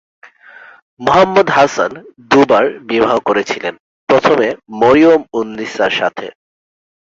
মুহাম্মদ হাসান দু'বার বিবাহ করেছিলেন, প্রথমে মরিয়াম-উন-নিসার সাথে।